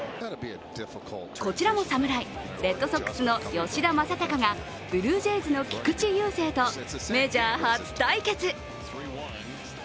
こちらも侍、レッドソックスの吉田正尚がブルージェイズの菊池雄星とメジャー初対決。